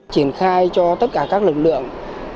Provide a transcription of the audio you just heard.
chiến khai cho tất cả các lực lượng